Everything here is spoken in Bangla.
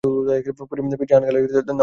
পীর খান জাহান আলীর নামে নামাঙ্কিত।